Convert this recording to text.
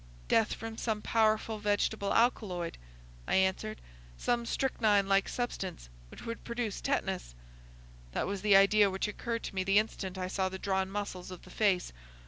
"Death from some powerful vegetable alkaloid," I answered,—"some strychnine like substance which would produce tetanus." "That was the idea which occurred to me the instant I saw the drawn muscles of the face.